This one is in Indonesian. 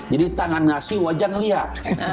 jadi tangan ngasih wajah ngelihat